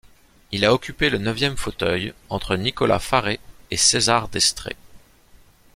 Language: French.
Il a occupé le neuvième fauteuil, entre Nicolas Faret et César d'Estrées.